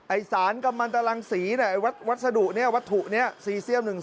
ไอ้สารกำมันตารังสีนี่ไอ้วัสดุนี่วัตถุนี่